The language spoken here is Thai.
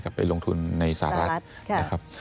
ไปลงทุนในสหรัฐนะครับ